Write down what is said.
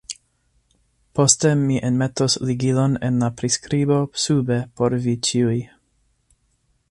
Poste mi enmetos ligilon en la priskribo sube por vi ĉiuj.